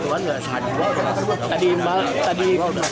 tadi malam tadi